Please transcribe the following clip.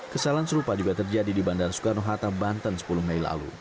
kesalahan serupa juga terjadi di bandara soekarno hatta banten sepuluh mei lalu